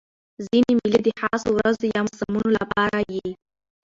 ځیني مېلې د خاصو ورځو یا موسمونو له پاره يي.